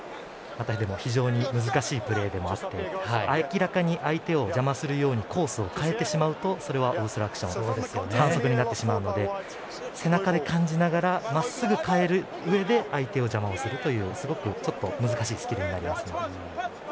非常に難しいプレーでもあって明らかに相手を邪魔するようにコースを変えるとそれはオブストラクション反則になってしまうので背中で感じながらまっすぐ帰るうえで相手の邪魔をするというすごく難しいスキルになります。